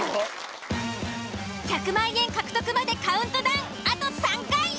１００万円獲得までカウントダウンあと３回。